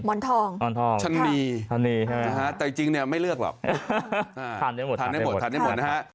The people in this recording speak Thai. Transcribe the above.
วันนี้ลาไปก่อนสวัสดีนะครับ